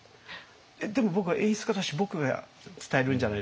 「えっでも僕は演出家だし僕が伝えるんじゃないの？」。